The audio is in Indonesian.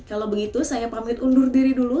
kalau begitu saya pamit undur diri dulu